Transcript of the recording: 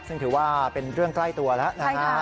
ซึ่งถือว่าเป็นเรื่องใกล้ตัวแล้วนะฮะ